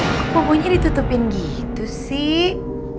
pokoknya ditutupin gitu sih